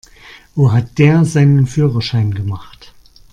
Wo hat der seinen Führerschein gemacht?